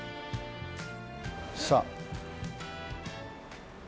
さあ。